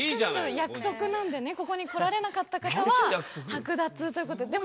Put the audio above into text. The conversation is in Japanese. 約束なんでね、ここに来られなかった方ははく奪ということで、でも。